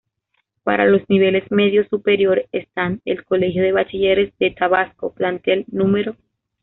Para los niveles medio superior están: el Colegio de Bachilleres de Tabasco Plantel No.